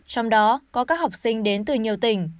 trong đó có các học sinh đến từ nhiều tỉnh